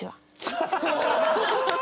ハハハハ！